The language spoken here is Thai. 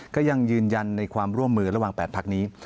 ก็ยังยืนยันในความร่วมมือระหว่าง๘พักนี้